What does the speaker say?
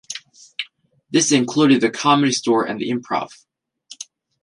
This included The Comedy Store and The Improv.